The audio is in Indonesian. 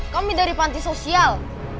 kami dari panti sosial